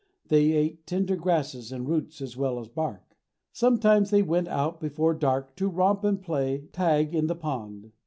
They ate tender grasses and roots as well as bark. Sometimes they went out before dark to romp and play tag in the pond.